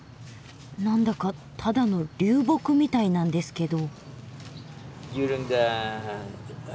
なんだかただの流木みたいなんですけど。